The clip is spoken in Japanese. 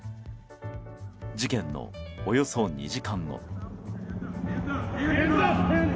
事件のおよそ２時間後。